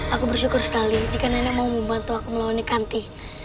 aku bersyukur sekali jika nenek mau membantu aku melawan ikanti